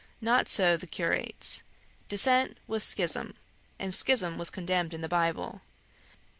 Not so the curates. Dissent was schism, and schism was condemned in the Bible.